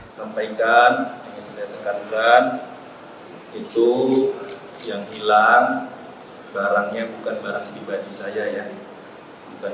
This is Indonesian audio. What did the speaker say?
sampaikan ingin saya tekankan itu yang hilang barangnya bukan barang pribadi saya ya bukan